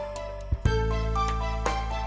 nah sekarang gantian